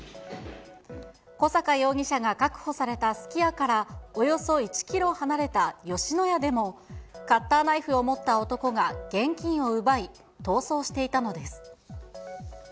小阪容疑者が確保されたすき家からおよそ１キロ離れた吉野家でも、カッターナイフを持った男が現金を奪い、逃走していたのです。